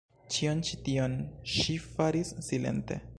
Ĉion ĉi tion ŝi faris silente.